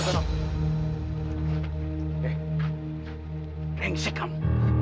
di sini pasti ada kau